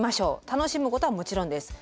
楽しむことはもちろんです。